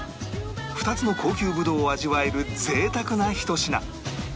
２つの高級ぶどうを味わえる贅沢なひと品